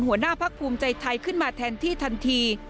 หัวหน้าพักภูมิใจไทยขึ้นมาแทนที่ทันที